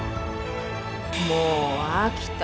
もう飽きた。